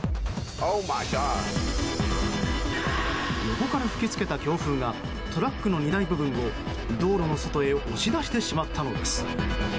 横から吹き付けた強風がトラックの荷台部分を道路の外へ押し出してしまったのです。